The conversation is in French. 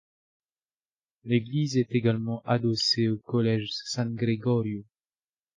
L'église est également adossée au collège San Gregorio.